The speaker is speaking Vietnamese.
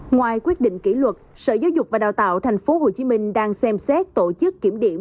ngoài quyết định kỷ luật sở giáo dục và đào tạo tp hcm đang xem xét tổ chức kiểm điểm